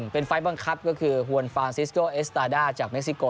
เป็นไฟล์บังคับก็คือฮวนฟานซิสโกเอสตาด้าจากเม็กซิโก